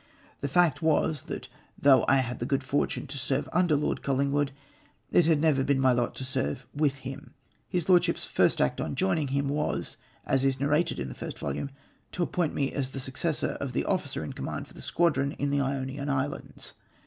The fact was, that though I had the good fortune to serve under Lord ColHngwood, it had never been my lot to serve Avith him. His Lordship's first act on joining him was, as is narrated in the first volume, to appoint me as the successor of the officer in command of the squadi'on in the Ionian Islands.